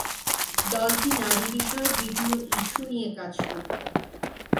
দলটি নারী বিষয়ক বিভিন্ন ইস্যু নিয়ে কাজ করত।